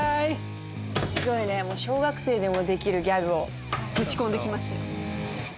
小学生でもできるギャグをぶち込んできましたよ。